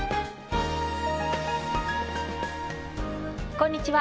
こんにちは。